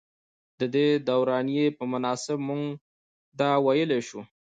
ددې دورانيې پۀ مناسبت مونږدا وئيلی شو ۔